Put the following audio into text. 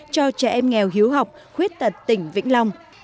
cho trẻ em nghèo hiếu học khuyết tật tỉnh vĩnh long